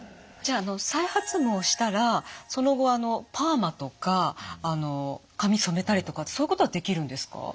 じゃああの再発毛したらその後あのパーマとか髪染めたりとかそういうことはできるんですか？